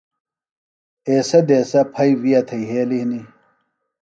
ایسےۡ دیسہ پھئیۡ وِیہ تھےۡ یھیلیۡ ہنیۡ